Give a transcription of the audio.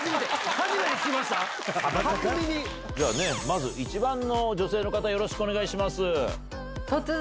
まず１番の女性の方よろしくお願いします。